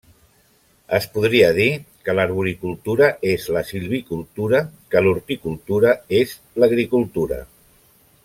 Es podria dir que l'arboricultura és la silvicultura que l'horticultura és l'agricultura.